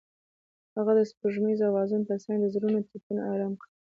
هغې د سپوږمیز اوازونو ترڅنګ د زړونو ټپونه آرام کړل.